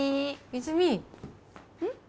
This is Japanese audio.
泉うん？